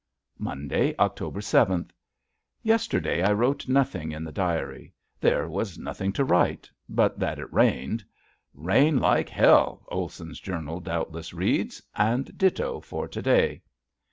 Monday, October seventh. Yesterday I wrote nothing in the diary there was nothing to write, but that it rained. "Rain like Hell" Olson's journal doubtless reads, and ditto for to day.